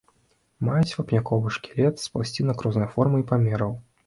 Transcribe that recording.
Маюць вапняковы шкілет з пласцінак рознай формы і памераў.